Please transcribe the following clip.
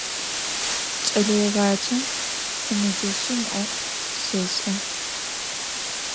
Кӏэлэегъаджэм сымэджэщым ӏоф щешӏэ.